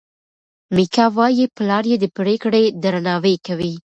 میکا وايي پلار یې د پرېکړې درناوی کوي.